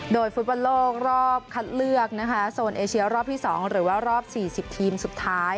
โดยฟุตบอลโลกรอบคัดเลือกนะคะโซนเอเชียรอบที่๒หรือว่ารอบ๔๐ทีมสุดท้าย